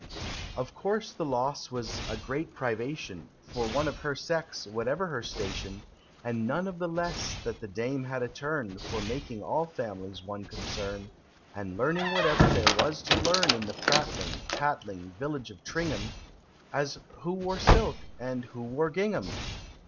Of course the loss was a great privation, For one of her sex whatever her station And none the less that the Dame had a turn For making all families one concern, And learning whatever there was to learn In the prattling, tattling village of Tringham As who wore silk? and who wore gingham?